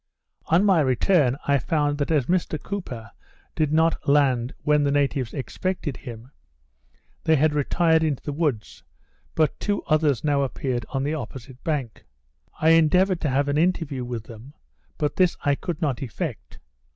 On my return, I found that as Mr Cooper did not land when the natives expected him, they had retired into the woods, but two others now appeared on the opposite bank. I endeavoured to have an interview with them, but this I could not effect.